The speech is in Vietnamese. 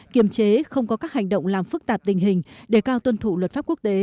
kiềm chế không có các hành động làm phức tạp tình hình để cao tuân thủ luật pháp quốc tế